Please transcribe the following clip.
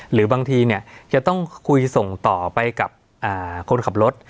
หรือบางทีจะต้องคุยส่งต่อไปกับคนขับรถ